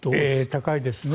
高いですね。